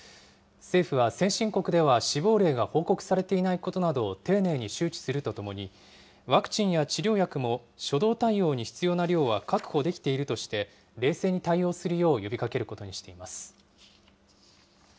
政府は先進国では死亡例が報告されていないことなどを丁寧に周知するとともに、ワクチンや治療薬も初動対応に必要な量は確保できているとして、冷静に対応するよう呼びかけることにしています。